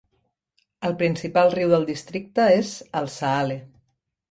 El principal riu del districte és el Saale.